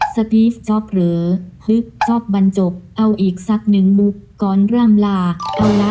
สตีฟจ๊อบเหรอฮึจ๊อบบันจบเอาอีกสักหนึ่งบุกก่อนล่ามล่า